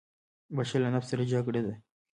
• بښل له نفس سره جګړه ده.